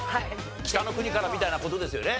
『北の国から』みたいな事ですよね？